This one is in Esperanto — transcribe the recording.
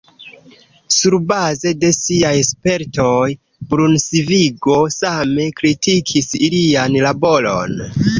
Surbaze de siaj spertoj, Brunsvigo same kritikis ilian laboron.